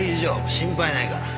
心配ないから。